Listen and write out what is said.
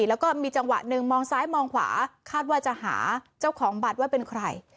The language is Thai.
แล้วก็มีจังหวะหนึ่งมองซ้ายมองขวาคาดว่าจะหาเจ้าของบัตรว่าเป็นใคร